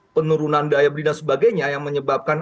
penurunan daya beli dan sebagainya yang menyebabkan